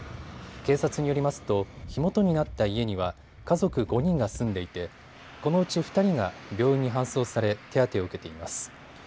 警察によりますと火元になった家には家族５人が住んでいてこのうち２人が病院に搬送され手当てを受けています。